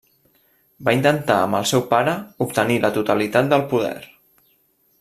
Va intentar amb el seu pare obtenir la totalitat del poder.